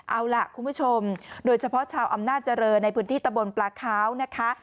เอาล่ะคุณผู้ชมโดยเฉพาะชาวอำนาจเจริญในพื้นที่ตะบนปลาขาวนะคะ